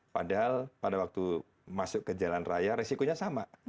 padahal pada waktu masuk ke jalan raya resikonya sama